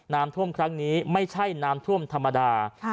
น้ำท่วมครั้งนี้ไม่ใช่น้ำท่วมธรรมดา